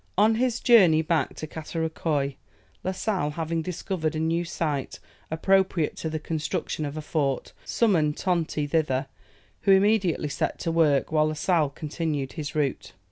On his journey back to Catarocouy, La Sale, having discovered a new site appropriate to the construction of a fort, summoned Tonti thither, who immediately set to work, while La Sale continued his route.